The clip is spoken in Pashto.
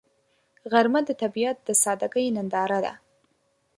غرمه د طبیعت د سادګۍ ننداره ده